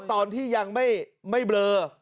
ตอนที่ยังไม่เบลอ